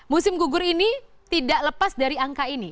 musim gugur ini tidak lepas dari angka ini